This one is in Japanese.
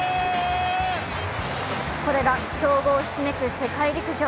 これが強豪ひしめく世界陸上。